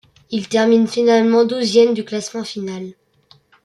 Il termine finalement douzième du classement inal.